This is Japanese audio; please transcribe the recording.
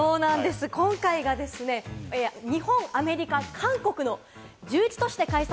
今回、日本、アメリカ、韓国の１１都市で開催。